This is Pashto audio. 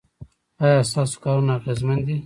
ایا ستاسو کارونه اغیزمن دي؟